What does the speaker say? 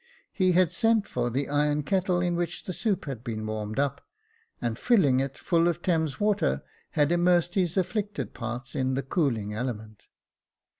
'' He had sent for the iron kettle in which the soup had been warmed up, and filling it full of Thames water, had immersed the afflicted parts in the cooling element.